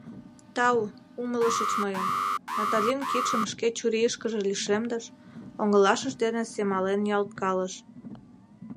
— Тау, умылышыч мыйым, — Наталин кидшым шке чурийышкыже лишемдыш, оҥылашыж дене семален ниялткалыш.